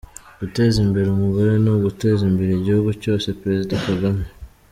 Guteza imbere umugore ni uguteza imbere igihugu cyose - Perezida Kagame